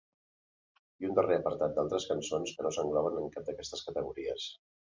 I un darrer apartat d’altres cançons que no s’engloben en cap d’aquestes categories.